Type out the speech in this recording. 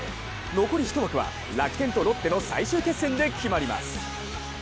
残り１枠は楽天とロッテの最終決戦で決まります。